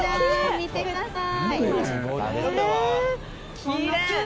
見てください。